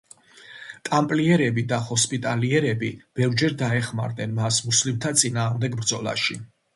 ტამპლიერები და ჰოსპიტალიერები ბევრჯერ დაეხმარნენ მას მუსლიმთა წინააღმდეგ ბრძოლაში.